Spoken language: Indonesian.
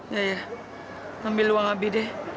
ya ya ambil uang abi deh